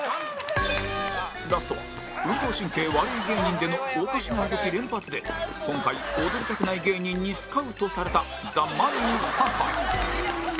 ラストは運動神経悪い芸人でのおかしな動き連発で今回踊りたくない芸人にスカウトされたザ・マミィ酒井